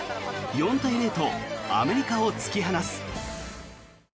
４対０とアメリカを突き放す。